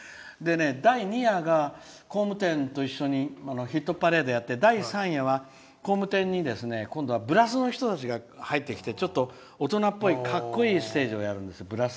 第２夜が工務店と一緒にヒットパレードをやって第３夜に工務店に今度はブラスの人たちが入ってきて大人っぽいかっこいいステージをやるんです。